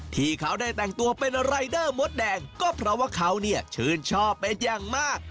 ที่เขาได้แต่งตัวเป็นรายเดอร์มดแดงก็เพราะว่าเขาเนี่ยชื่นชอบเป็นอย่างมาก